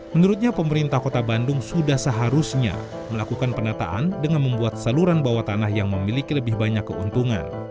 menurutnya pemerintah kota bandung sudah seharusnya melakukan penataan dengan membuat saluran bawah tanah yang memiliki lebih banyak keuntungan